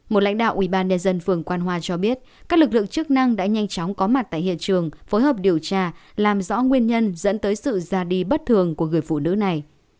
một lãnh đạo ubnd phường quan hòa cho biết các lực lượng chức năng đã nhanh chóng có mặt tại hiện trường phối hợp điều tra làm rõ nguyên nhân dẫn tới sự ra đi bất thường của người phụ nữ này